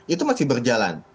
itu masih berjalan